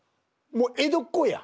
もう江戸っ子や。